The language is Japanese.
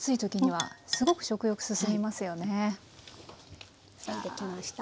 はい出来ました。